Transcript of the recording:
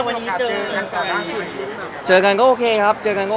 แล้วถ่ายละครมันก็๘๙เดือนอะไรอย่างนี้